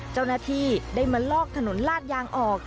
เจ้าหน้าที่ได้มาลอกถนนลาดยางออก